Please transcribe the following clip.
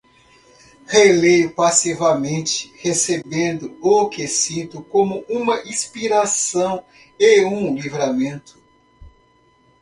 Releio passivamente, recebendo o que sinto como uma inspiração e um livramento